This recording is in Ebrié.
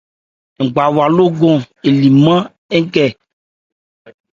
Ngbawa lókɔ élìmán nkɛ.